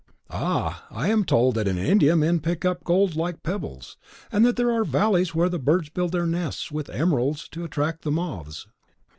"Ah, I am told that in India men pick up gold like pebbles, and that there are valleys where the birds build their nests with emeralds to attract the moths.